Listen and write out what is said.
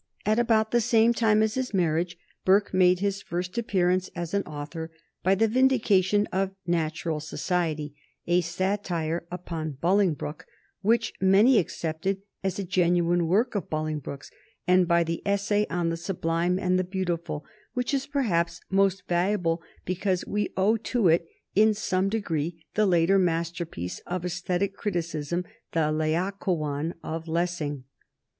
At about the same time as his marriage, Burke made his first appearance as an author by the "Vindication of Natural Society," a satire upon Bolingbroke which many accepted as a genuine work of Bolingbroke's, and by the "Essay on the Sublime and the Beautiful," which is perhaps most valuable because we owe to it in some degree the later masterpiece of aesthetic criticism, the "Laocoon" of Lessing.